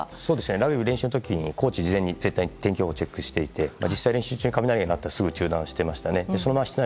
ラグビー、練習中にはコーチが事前に絶対に天気予報をチェックしていて実際に練習中に雷が鳴ったらすぐ中断していましたね。